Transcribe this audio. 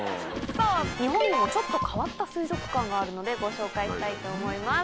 日本にもちょっと変わった水族館があるので、ご紹介したいと思います。